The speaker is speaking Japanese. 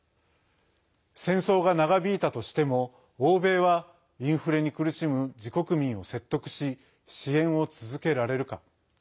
戦争が長引いたとしても欧米は、インフレに苦しむ自国民を説得し支援を続けられるか。